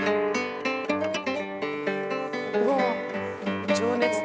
うわ情熱的。